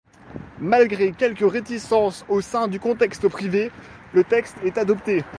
Malgré quelques réticences au sein du Conseil privé, le texte est adopté.